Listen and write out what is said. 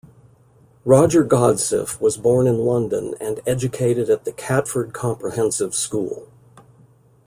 Roger Godsiff was born in London and educated at the Catford Comprehensive School.